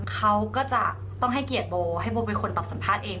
เขาก็จะต้องให้เกียรติโบให้โบเป็นคนตอบสัมภาษณ์เอง